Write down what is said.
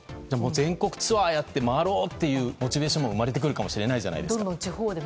全国ツアーやって回ろうっていうモチベーションも生まれてくるじゃないですか。